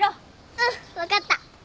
うん分かった。